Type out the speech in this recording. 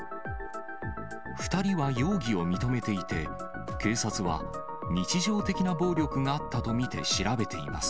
２人は容疑を認めていて、警察は、日常的な暴力があったと見て調べています。